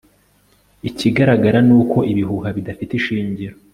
Ikigaragara ni uko ibihuha bidafite ishingiro